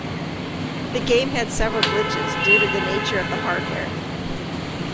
The game had several glitches, due to the nature of the hardware.